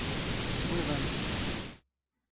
ⵙⵙⵖⵉⵖ ⴰⵎ ⵜ.